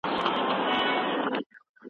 د هاند او هڅو دوام بریا راوړي.